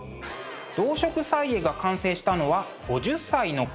「動植綵絵」が完成したのは５０歳の頃。